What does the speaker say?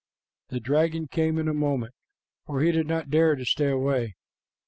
The dragon came in a moment, for he did not dare to stay away.